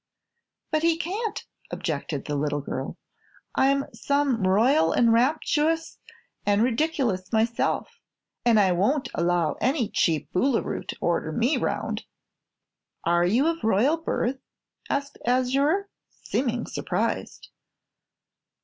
"But he can't," objected the little girl. "I'm some Royal an' Rapturous an' Ridic'lous myself, an' I won't allow any cheap Boolooroo to order me 'round." "Are you of royal birth?" asked Azure, seeming surprised.